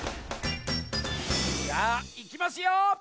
じゃあいきますよ！